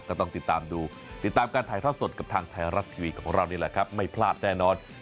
ก็ต้องติดตามดูติดตามการถ่ายทอดสดกับทางไทยรัฐทีวีของเรานี่แหละครับไม่พลาดแน่นอน